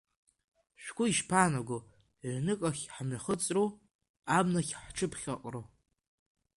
Шәгәы ишԥаанаго, ҩныкахь ҳамҩахыҵру, абнахь ҳҽыԥхьаҳкру?